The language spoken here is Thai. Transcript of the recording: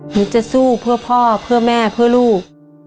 หนูจะสู้เพื่อพ่อเพื่อแม่เพื่อลูก